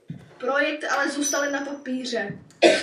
Projekt ale zůstal jen na papíře.